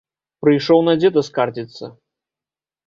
Прыйшоў на дзеда скардзіцца!